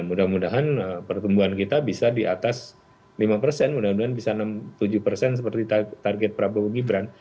ya mudah mudahan pertumbuhan kita bisa di atas lima mudah mudahan bisa enam tujuh seperti target prabowo gibran